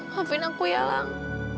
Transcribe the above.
maafin aku ya lang